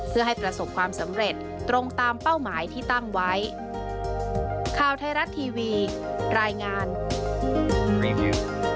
เพื่อให้ประสบความสำเร็จตรงตามเป้าหมายที่ตั้งไว้